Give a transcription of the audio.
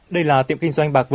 đây là tiệm kinh doanh bạc vân sa